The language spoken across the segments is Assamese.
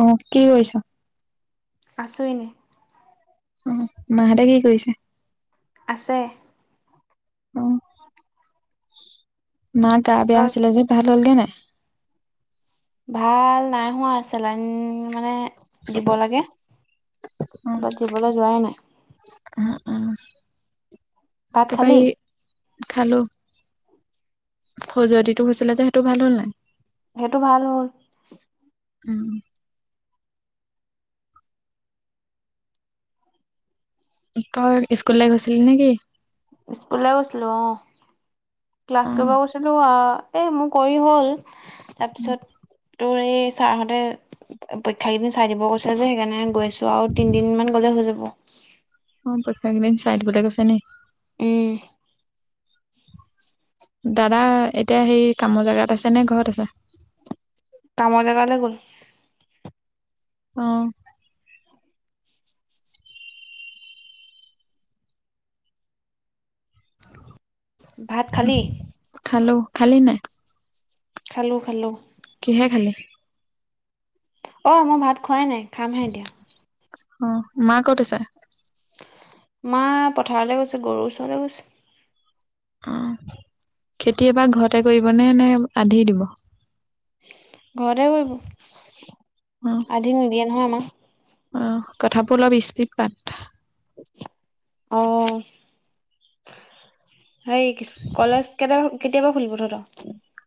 অহ, কি কৰিছ? আছো এনে। অহ, মাহতে কি কৰিছে? আছে। অহ মা গা বেয়া তই হৈছিলে যে ভাল হ'লগে নাই? ভাল নাই হোৱা চেলাইন মানে দিব লাগে। অ তাপা জিবলৈ যোৱা নে নাই? ভাত তাপা খালি এ খালো। খজুৱতিটো হৈছিলে যে সেইটো ভাল হ'ল নাই? সেইটো ভাল হ'ল। উম তই স্কুললে গৈছিলি নেকি? স্কুললে গৈছিলো অ' ক্লাছ অ কৰিব গৈছিলো আও এই মোৰ কৰি হ'ল তাপিছত তোৰ এই ছাৰহঁতে পৰীক্ষা কেইদিন চাই দিব কৈছে যে সেইকাৰণে গৈছো। যোৱা আও তিনিদিনমান গ'লে হৈ যাব। অ পৰীক্ষা কেইদিন চাই দিবলৈ কৈছে নি? উম দাদা এতিয়া সেই কামৰ জেগাত আছে নে ঘৰত আছে? কামৰ জেগা লে গল। অহ ভাত খালি খালো। খালি নাই? খালো- খালো। কিহে খালি? অহ, মই ভাত খোৱাই নাই খামহে এতিয়া। অহ, মা কত আছে? মা পথাৰলৈ গৈছে গৰুৰ ওচৰলৈ গৈছে। অহ, খেতি এবাৰ ঘৰতে কৰিবনে নে আধি দিব? ঘৰতে কৰিব আধি নিদিয়ে নহয় আমাৰ। অহ, কথাবোৰ অলপ স্পীড পাত। অহ সেই কলেজ কেতিয়াবা কেতিয়াবা খুলিব তহঁতৰ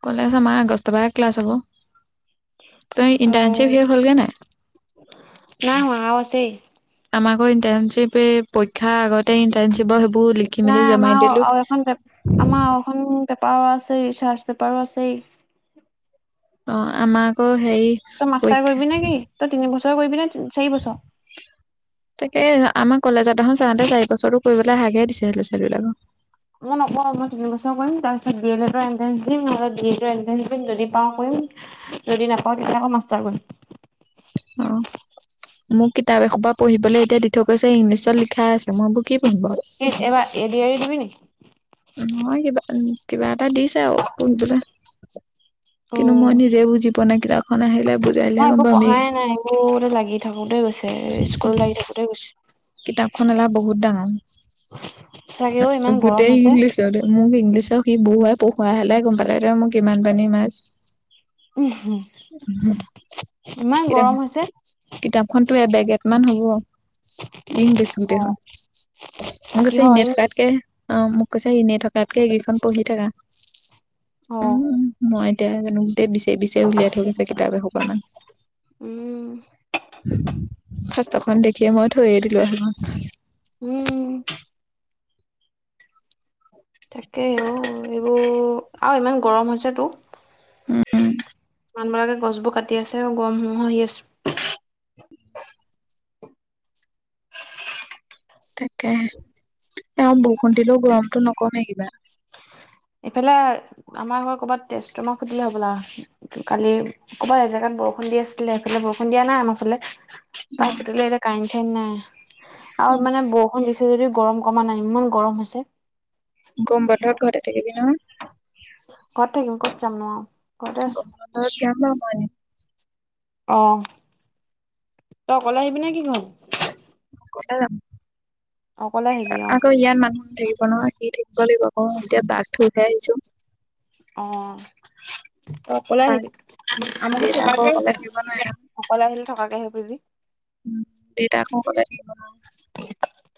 কলে আছ মাৰ আগষ্ট পৰা ক্লাছ হ'ব। ত‌ই অ ইন্টাৰ্নশিপ সে হ'লগে নাই। নাই হোৱা আৰু আছেই আমাকো ইণ্টাৰ্ণশ্বিপে পই। শিক্ষা আগতে ইন্টাৰ্ণশ্বিপৰ সেইবোৰ লিখি নাই মেলি আমাৰ জমাই দিলো। পেপাৰ আছেই চাৰ্চ পেপাৰো আছেই। অ আমাৰ আকৌ। হেৰি তই মাষ্টাৰ পৰীক্ষা কৰিবি নে কি তই তিনিবছৰ কৰিবি নে চাৰি বছৰ। এই আমাৰ কলেজত এখন চাওঁতে চাৰি বছৰো কৰিবলৈ হাকে দিছেছিলে ছোৱালীবলাকক মই নক মই তিন বছৰ কৰিম তাৰ পিছ বি এৰ এন্টেন্ঞ্চ দিম নহলে বি এৰ এন্ট্ৰেঞ্চ দিম যদি পাওঁ কৈম। যদি নাপাওঁ তেতিয়া আকৌ মাষ্টাৰ কৰিম। অ', মোক কিতাপ এখোবা পঢ়িবলৈ এতিয়া দি থৈ গৈছে ইংলিছত লিখাই আছে। মই বোৰ কি এবাৰ এ দি আৰ ই দিবি নিকি। নয় কিবা কিবা এটা দিছে আৰু কৰিবলে। কিন্তু মই নিজে বুজি পোৱা নাই কিতাপখন আহিলে বুজাদিলে মই হে গম একো পাবি। পঢ়াই নাই এইবোৰতে লাগি থাকোতে স্কুল লাগি থাকোতে গৈছে। কিতাপখন এলাহ বহুত সঁচাকে ডাঙৰ অ ইমান গৰম গোটেই হৈছে ইংলিশ গ মোক ইংলিশ আ। সি বহুৱাই পহুৱাই হলে গম পালে তেন মোক কিমান পানীৰ মাছ। উম হম। কিতাপ কিতাপখনতো এবেগ এ মান হব। ইন গৈছো দে অ', হন মোক কৈছে কিহৰ এনেই ইংলিছ? থকাতকে অ মোক কৈছে এনেই থকা। তাতকে এইকেইখন পঢ়ি থাকা। আহ। উম মই এতিয়া জানো গোই বিচাৰি বিচাৰি উলিয়া থৈ গৈছে কিতাপ এসোপা মান উম সাঁস্তখন দেখিয়ে মই থৈয়ে দিলো সেইখন। উম, তাকেই অ এইবোৰ আৰু ইমান গৰম হৈছেতো। উম ও। মানবাকে গছবোৰ কাটি আছে গৰমসমূহ আহি আছো। উ। তাকে। এ বষুণ দিলেও গৰমতটো নকমেই কিবা। এইফালে আমাৰ ঘৰত কৰ'বাত তেজমা সুধিলে হবলা কালি ক'বাত এজেগান ব বৰষুণ দি আছিলে এইফালে বৰষুণ দিয়া নাই আমাৰফালে। ত ফুটিলে যে কাৰেণ্ট চাৰেন্ত নাই। আও মানে বৰষুণ দিছে যে যদি গৰম কমা নাই ইমান গৰম হৈছে। গম বন্ধত ঘৰতে থাকিবি নহয়। ঘৰত থাকম কতযাম নো আও মই নিম অ তইকলে আহিবি নে কি ঘ ক য অকলে আহিবি অ', আকৌ ইয়াত মানুহ নাথাকিব নহয়। কি থাকিব লাগিব ক এতিয়া বাঘ [unintelligible] অ ত অকলে আহিবি আমাৰো দেউতা আকৌ থকাকে অকলে থাকিব নোৱাৰে আহ অকলে আহিলে থকাকে আহিবি। বি উম দেতাক ক কলে থ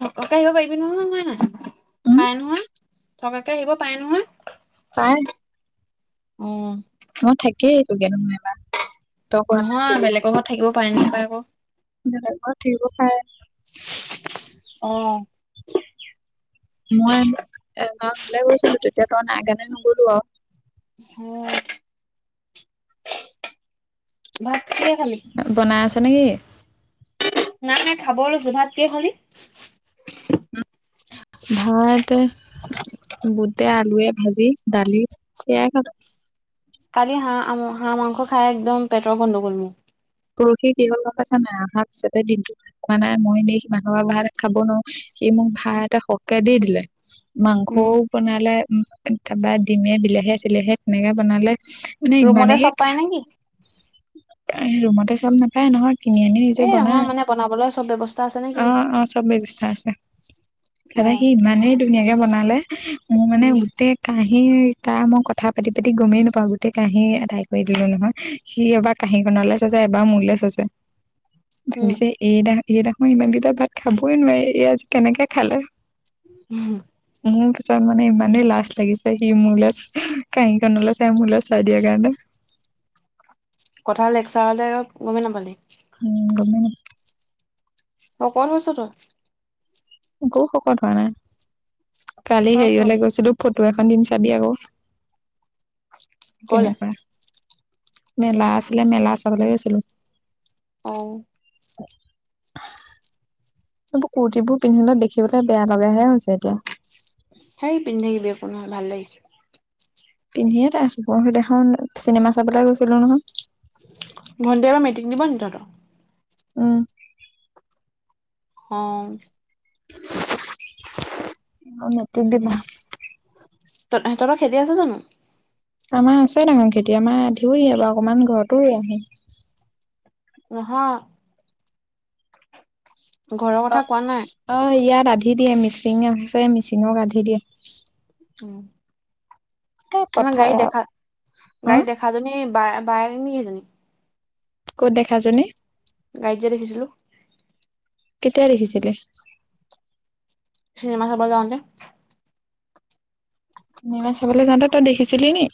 থকাকে আহিব পাৰিবি নহয় হয় নাই উম পায় নহয় থকাকে আহিব পায় নহয়। তাই উম। মই থাকি আহিছোগে নহয় এবা ত‌ই কোৱা নহয় নাছিলি বেলেগৰ ঘৰত থাকিব পাৰে নাপায় আকৌ বেলেগৰ থাকিব পায় অ। মই এবাৰ ঘৰলে গৈছিলো তেতিয়া তই নাই কাৰণে নগলো আৰু হ। ভাত কিহে খালি? আ নেকি? নাই খাব লৈছো ভাত কিহে খালি। ভাত বুটে আলুৱে। ভাজি দালি সেইয়াই খালোঁ। কালি হাঁহ আম্ হাঁহ মাংস খাই একদম পেটৰ গণ্ডগোল মো। পৰহি কি হল গম পাইছে নাই অহাৰ পিছতে দিনটো ভাল খোৱা নাই মইনে সি মমানহ ভাত খাব নোৱাৰো সি মোক ভাত এটা সকে দি দিলে। মাংসও উম বনালে। তাপা ডিমে বিলাহীয়ে, চিলাহীয়ে তেনেকে বনালে। মানে ৰুমতে ইমানেই চব পাই নেকি ৰুমতে চব নাপায় নহয় কিনি আনি নিজে এই বনা নহয় মানে বনাবলৈ চব ব্যৱস্থা আছে নে কি অ কৈছো অ চব ব্যৱস্থা আছে। অ তাপা সি ইমানেই ধুনীয়াকে বনালে। মোৰ মানে উম গোটেই কাহি। এটা মই কথা পাতি পাতি গমেই নাপাওঁ গোটেই কাঁহী আদাই কৰি দিলো নহয় সি এবাৰ কাঁহীখনলে চাইছে এই বাৰ মোৰলে চাইছে। ভাবিছে উম এইড এইডেখন ইমানকেইটা ভাত খাবই নোৱাৰি এই আজি কেনেকে খালে উম মোৰ পিছত মানে ইমানেই লাজ লাগিছে সি মোৰলৈ কাহিখনলৈ চাই মোৰলৈ চাই দিয়াৰ কাৰণে [inaudible] কথা লেকচাৰলে গমেই নাপালি উম গমে শকত হৈছ তই একো শকত হোৱা নাই কালি হেৰি হৈছো হলে গৈছিলো ফ টো এখন দিম চাবি আকৌ ক'লে কেনেকুৱা মেলা আছিলে মেলা চাবলে গৈছিলো অ [unintelligible] এইবোৰ কুৰ্তীবোৰ পিন্ধিলে দেখিবলৈ বেয়া লগাহে হৈছে এতিয়া সেই পিন্ধি থাকিবি একো নহয় ভাল লাগিছে পিন্ধেই তাো আছো পৰহি দিনাখন চিনেমা চাবলৈ গৈছিলো নহয় ভণ্টিয়ে এইবা মেট্ৰিক দিব নেকি তহঁত উম অ এইবাৰ মেট্ৰিক দিব তহঁতৰ খেতি আছে জানো আমাৰ আছে ডাঙৰ খেতি আমাৰ ধেইৰোৱে বাও অকমান ঘৰতো ৰুই আহো নহয় ঘৰৰ অ কথা কোৱা নাই। অ ইয়াত আধি দিয়ে মিচিং আছে মিচিঙক আধি দিয়ে উম এ ন পথাৰ গাড়ী দেখা অ গাড়ীত দেখাজনী বা বাই নেকি হেইজনী ক'ত দেখা জনী গাড়ীত যে দেখিছিলো কেতিয়া দেখিছিলি চিনেমা চাব যাওঁতে চিনেমা চাবলৈ যাওঁতে তই দেখিছিলি নি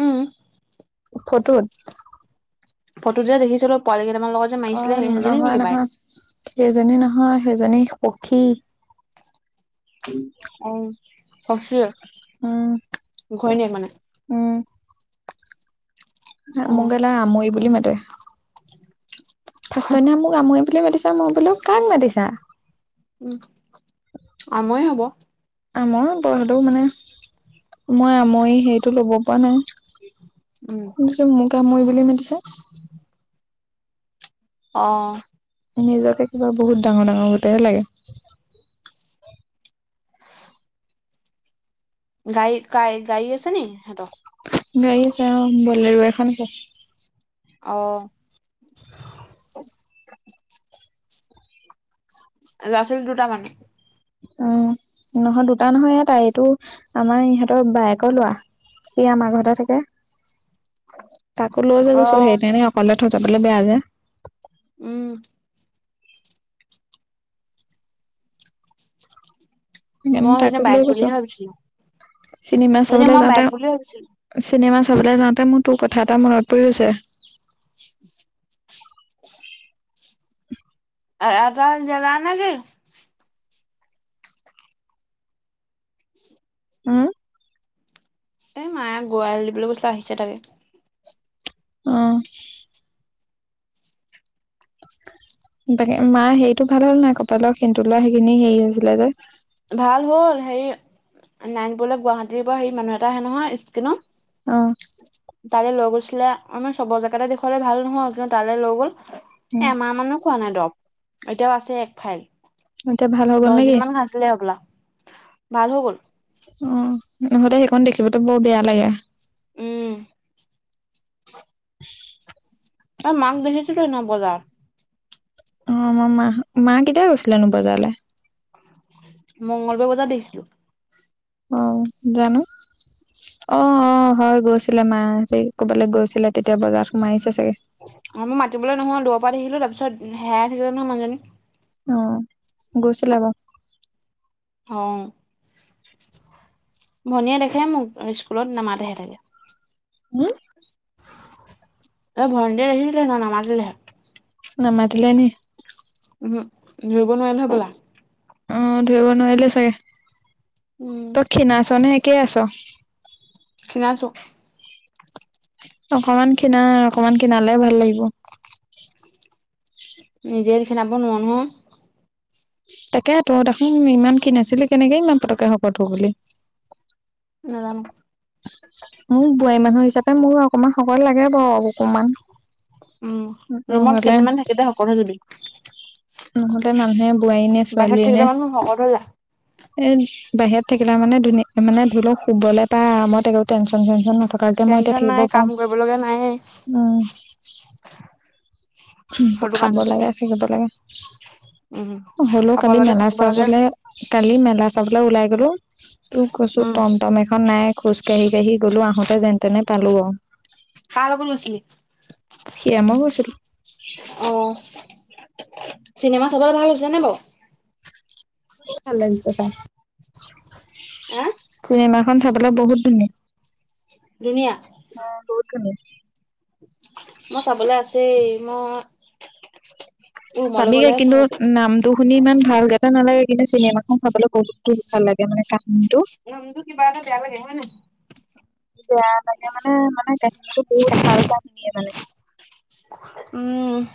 উম, ফটোত ফটো যে দেখিছিলো পোৱালি কেইটামান লগত যে অ মাৰিছিলে সেইজনী নহয় নেকি বায়েক? নহয় সেইজনী নহয় সেইজনী পখী অচ উম ঘৈণীয়েক মানে অ', মগেলা আমৈ বুলি মাতে ফাৰ্ষ্টনা মোক আমই বুলি মাতিছে মই বোলো কাক মাতিছা আমৈ হব আমৰ হবই সটো মানে মই আমৈ সেইটো ল'ব পৰা নাই উম। শুনিছো মোকে মই বুলি মাতিছে অ নিজকে কিবা বহুত ডাঙৰ ডাঙৰ গোটহে লাগে গাই গাই গাড়ী আছে নেকি সিহঁতৰ গাড়ী আছে অ বলেৰু এখন আছে আহ [unintelligible] ল'ৰা ছোৱালী দুটা মানে উম নহয় দুটা নহয় এটা এইটো আমাৰ ইহঁতৰ বায়েকৰ ল'ৰা সি আমাৰ ঘৰতে থাকে তাকো লৈ যে গৈছো অ', সেই তেনেকে অকলে থৈ যাবলৈ বেয়া যে উম সেইকাৰণে মই সেইজনী তাকো বাইক লৈ কৈছো বুলিহে ভাবিছিলো চিনেমা সেইজনী চাবলৈ মই বাইক যাওঁতে বুলি ভাবিছিলো চিনেমা চাবলৈ যাওঁতে মোৰ তোৰ কথা এটা মনত পৰি গৈছে [unintelligible] এটা জেগা নেকি উম এই মায়ে গৰু এৰাল দিবলৈ গৈছিলে আহিছে তাকে অ তাকে মা হেৰিতটো ভাল হ'ল নাই কপালৰ সেন্দুৰ লোৱা সেইখিনি হেৰি হৈছিলে যে ভাল হ'ল হেৰি বোলে নাৰায়ণপুৰলে গুৱাহাটীৰ পৰা হে মানুহ এটা আহে নহয় অ তাল লৈ গৈছিলে আমি চবৰ জেগাতে দেখুৱালে ভাল নহয় কিন্তু তালৈ লৈ গ'ল উম এমাহ মানো খোৱা নাই দৰৱ এতিয়াও আছে এক ফাইল এতিয়া ভাল হ গল দহদিন নেকি মান খাইছিলে হ'বলা ভাল হ'বল অ নহতে সেইখন দেখিবতো বহুত বেয়া লাগে উম [unintelligible] অ মাক দেখিছিলোঁ সেইদিনা বজাত অ মই মাহ মা কেতিয়া গৈছিলেনো বজাৰলৈ মঙ্গলবাৰ বজাত দেখিছিলোঁ অ জানো অ অ হয় গৈছিলে মা স কবালৈ গৈছিলে তেতিয়া বজাৰত সোমাই আহিছে চাগে অ মই মাতিবলৈ নহয় দুৰৰ পৰা দেখিলো তাৰপিছত হেৰাই থাকিলে নহয় মানুজনী অ গৈছিলে বাৰু অ ভনীয়ে দেখে মোক স্কুলত নামাতে হেনেকে উম ত ভন্তি আহিছিলে নামাতিলে নামাতিলে নি উম ৰুব নোৱাৰে নহয় ব'লা অ ধুৰিব নোৱাৰিলে চাগে উম ত‌ই ক্ষীণাইছ নে একেই আছ? ক্ষীণাইছো অকমান ক্ষীণা অকমান ক্ষীণালে ভাল লাগিব। ক্ষীণাব নোৱাৰো অ। তাকে ত দেখোন ইমান ক্ষীণ আছিলি কেনেকে ইমান পতককে শকত হৈ গলি। নাজানো। মোক বোৱাৰী মানুহ হিচাপে মোৰ অকমান শকত লাগে বাৰু অকমান। উম ৰুমত নহলে কেইদিনমান থাকিলে শকত হৈ যাবি। নহলেত মানুহে বোৱাৰী নে বাহিৰত ছোৱালী থাকিলে নে মানুহ শকত হৈ যায় এ বাহিৰত থাকিলে মানে ধুনে মানে ধৰি লওক শুবলৈ পাই আৰামত একো টেনচন চেনচন নথাক- থকাকে মই এতিয়া টেনচন নাই থাকিব কাম কৰিব লগা নাইয়ে পাম উম। সেইটো খাব কাৰণে লাগে থাকিব লাগে। উম হ'লো খাব কালি লাগে মেলা থাকিব লাগে চাবলৈ কালি মেলা চাবলৈ ওলাই গলোঁ। তোৰ কৈছো উম টম টম এখন নাই খোজ কাঢ়ি কঢ়ি গলো আহোতে যেন তেনে পালো অ। কাৰ লগত সেয়া মই গৈছিলি? গৈছিলো অ। চিনেমা চাবলৈ ভাল হৈছে নে বাও। ভাল লাগিছে চাই হা চিনেমা খন চাবলৈ বহুত ধুনীয়া ধুনীয়া অ বহুত ধুনীয়া মই চাবলে আছেই মই ৰুমলৈ চাবিগে গ'লেহে কিন্তু চাব পাৰিম নামটো শুনি ইমান ভাল গা- নালাগে কিন্তু চিনেমাখন চাবলৈ বহুতো ভাল লাগে মানে কাহিনীটো। নামটো কি বা এটা বেয়া লাগে হয় নাই? বেয়া লাগে মানে মানে কাহিনীটো বহুত ভাল কাহিনীয়ে মানে। উম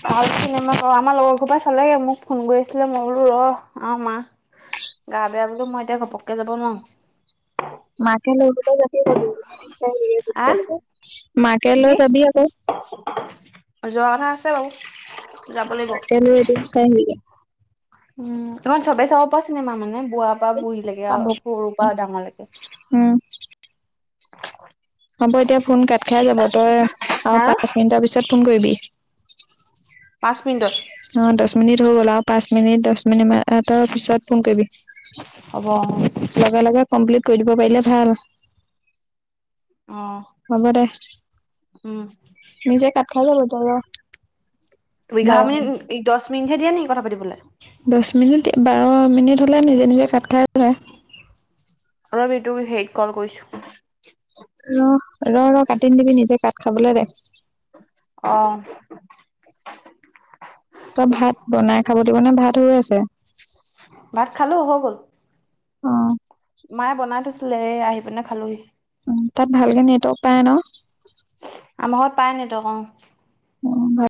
চাবি ভাল চিনেমা। অ আমাৰ লগৰ সোপা চালে মোক ফোন কৰি আছিলে মই বোলো ৰ আমা মা। গা বেয়া বোলো মই এতিয়া ঘপককে যাব নোৱাওং। মাকে লৈ গলে আহ [unintelligible] মাকে লৈ কি যাবি আকৌ। যোৱা কথা আছে বাও। তাকে ন এদিন চাই আহিবি গে উম এইখন চবেই চাব পৰা চিনেমা মানে। বুঢ়া পা বুঢ়ী লৈকে আও চাব সৰুৰ পৰা ডাঙৰ লৈকে। উম [inaudible] হ'ব দিয়া ফোন কাট খাই যাব তই আৰু হা পাঁচ মিনিটৰ পিছত ফোন কৰিবি। পাঁচ মিনিটত অ দহ হৈ মিনিট গল আৰু পাঁচ মিনিট, দহ মিনিট মান। এটাৰ পিছত ফোন কৰিবি হ'ব অ', লগে লগে। কমপ্লিট কৰি দিব পাৰিলে ভাল। আহ হ'ব দে উম। খেললে তব এঘাৰ মিনিট দহ মিনিটহে দিয়ে নি কথা পাতিব। দহ মিনিট বাৰ মিনিট হ'লে নিজে নিজে কাত খাই যায়। ৰ এইটোক হেৰিত কল কৰিছো। ৰ ৰ ৰ কাটি নি দিবি নিজে কাট খাবলে দে। অ', তই ভাত বনাই খাব দিব নে ভাত হৈ আছে। ভাত খালোঁ হৈ গ'ল। অহ মায়ে বনাই থৈছিলে এ আহি পিনে খালোহি। উ তাত ভালকে নেটৱৰ্ক পায় ন। আমাৰ ঘৰত পায় ন ত অ। অ